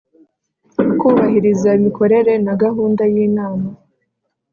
Kubahiriza imikorere na gahunda y Inama